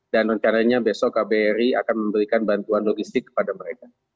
dan rencananya besok kbri akan memberikan bantuan logistik kepada mereka